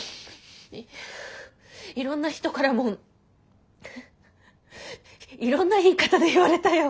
いろんな人からもいろんな言い方で言われたよ。